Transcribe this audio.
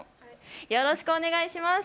よろしくお願いします。